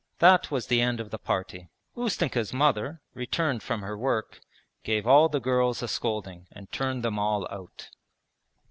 That was the end of the party. Ustenka's mother, returned from her work, gave all the girls a scolding, and turned them all out.